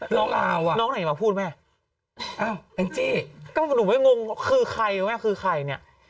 น้องอ่าวน้องไหนมาพูดแม่อ้าวไอ้จี้ก็หนูไม่งงคือใครหรือไม่